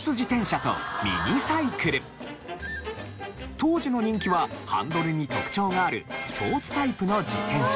当時の人気はハンドルに特徴があるスポーツタイプの自転車。